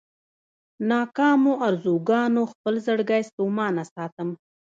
ناکامو ارزوګانو خپل زړګی ستومانه ساتم.